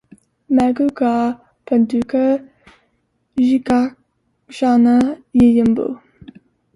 Magho gha banduka ghikachana nyumba..